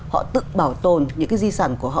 họ tự bảo tồn những cái di sản của họ